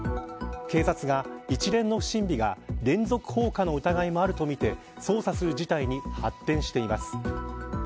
警察が、一連の不審火が連続放火の疑いもあるとみて捜査する事態に発展しています。